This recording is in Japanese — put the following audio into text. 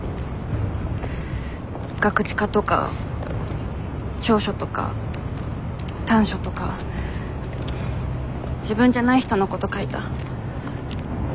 ガクチカとか長所とか短所とか自分じゃない人のこと書いた。